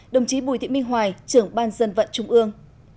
đồng chí bùi thị minh hoài trưởng ban dân vận trung ương